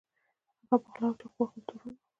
هغه په غلا او چاقو وهلو تورن و.